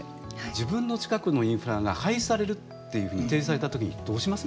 自分の近くのインフラが廃止されるっていうふうに提示された時にどうします？